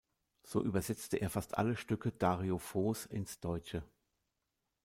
So übersetzte er fast alle Stücke Dario Fos ins Deutsche.